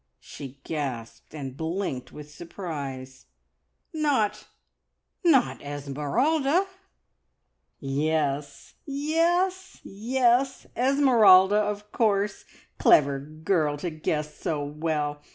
She gasped and blinked with surprise. "Not not Esmeralda?" "Yes, yes, yes! Esmeralda, of course! Clever girl to guess so well!